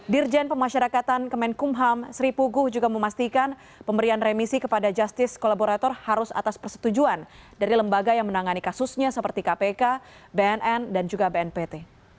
dirjen pemasyarakatan kemenkumham sri puguh juga memastikan pemberian remisi kepada justice kolaborator harus atas persetujuan dari lembaga yang menangani kasusnya seperti kpk bnn dan juga bnpt